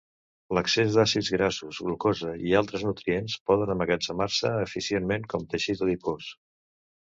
L'excés d'àcids grassos, glucosa, i altres nutrients poden emmagatzemar-se eficientment com teixit adipós.